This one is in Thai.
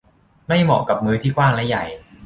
ไม่เหมาะกับมือที่กว้างและใหญ่